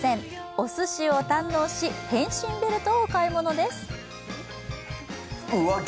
おすしを堪能変身ベルトをお買い物です。